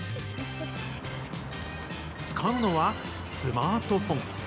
使うのはスマートフォン。